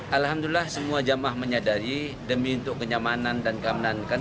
alhamdulillah semua jamaah menyadari demi untuk kenyamanan dan keamanan